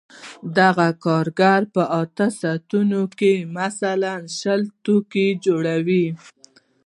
دغه کارګر په اته ساعتونو کې مثلاً شل توکي جوړ کړي